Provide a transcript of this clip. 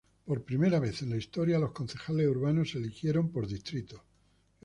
Por primera vez en la historia, los concejales urbanos se eligieron por distritos.